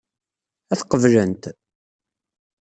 Ad t-qeblent?